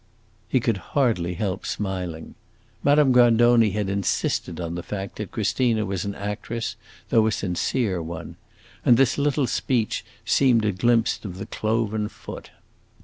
He could hardly help smiling. Madame Grandoni had insisted on the fact that Christina was an actress, though a sincere one; and this little speech seemed a glimpse of the cloven foot.